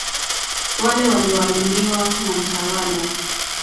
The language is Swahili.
wale walioaminiwa na mtawala